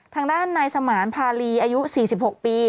ทางด้านนายสมานพาลีอายุ๔๖ปี